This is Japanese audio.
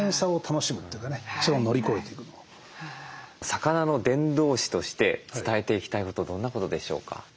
魚の伝道師として伝えていきたいことどんなことでしょうか？